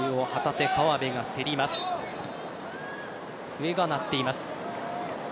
笛が鳴っています。